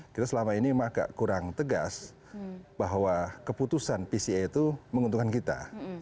kita selama ini memang agak kurang tegas bahwa keputusan pca itu menguntungkan kita